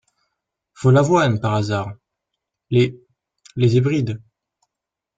Follavoine Par hasard, les… les Hébrides…